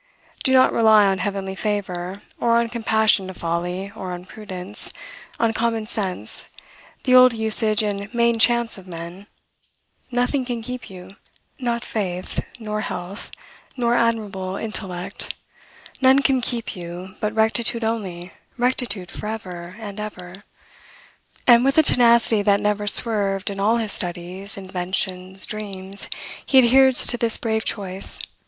Do not rely on heavenly favor, or on compassion to folly, or on prudence, on common sense, the old usage and main chance of men; nothing can keep you, not fate, nor health, nor admirable intellect; none can keep you, but rectitude only, rectitude forever and ever! and, with a tenacity that never swerved in all his studies, inventions, dreams, he adheres to this brave choice.